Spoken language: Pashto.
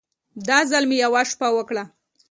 دا ځل مې يوه شپه وکړه.